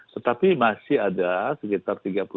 tetapi masih ada sekitar